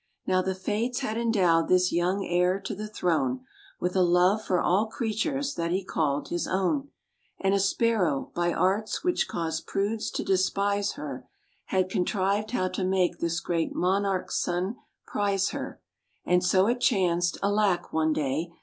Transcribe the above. Now the fates had endowed this young heir to the throne With a love for all creatures that he called his own; And a Sparrow, by arts which caused prudes to despise her, Had contrived how to make this great Monarch's son prize her. And so it chanced, alack! one day.